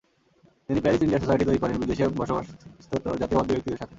তিনি Paris India society তৈরি করেন বিদেশে বসবাসস্থিত জাতীয়তাবাদী ব্যক্তিদের সাথে।